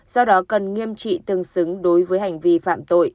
do đó cần nghiêm trị tương xứng đối với hành vi phạm tội